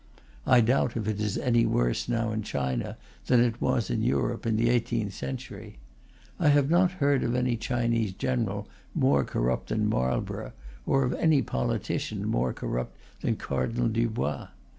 I doubt if it is any worse now in China than it was in Europe in the eighteenth century. I have not heard of any Chinese general more corrupt than Marlborough, or of any politician more corrupt than Cardinal Dubois.